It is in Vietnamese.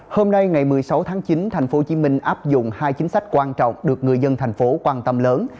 hôm nay ngày một mươi sáu tháng chín tp hcm áp dụng hai chính sách quan trọng được người dân thành phố quan tâm lớn